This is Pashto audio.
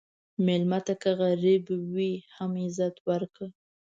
مېلمه ته که غریب وي، هم عزت ورکړه.